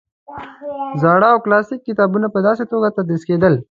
زاړه او کلاسیک کتابونه په داسې توګه تدریس کېدل.